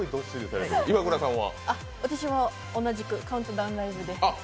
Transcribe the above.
私も同じくカウントダウンライブで。